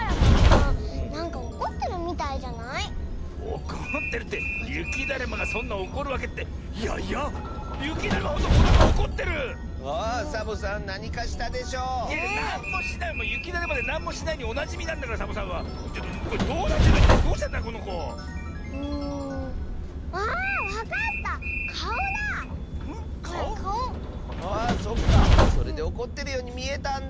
それでおこってるようにみえたんだ！